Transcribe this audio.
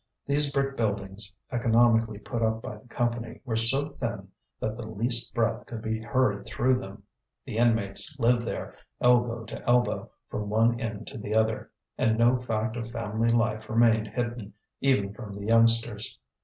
These brick buildings, economically put up by the Company, were so thin that the least breath could be heard through them. The inmates lived there, elbow to elbow, from one end to the other; and no fact of family life remained hidden, even from the youngsters.